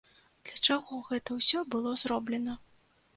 Для чаго гэта ўсё было зроблена?